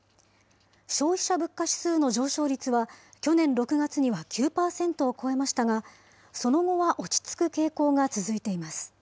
消費者物価指数の上昇率は、去年６月には９％を超えましたが、その後は落ち着く傾向が続いています。